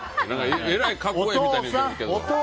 えらい格好ええみたいに言うけど。